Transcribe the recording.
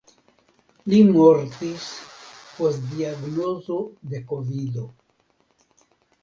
Li mortis post diagnozo de kovido.